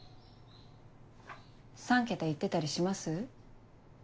３桁行ってたりします？